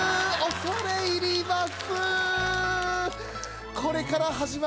恐れ入ります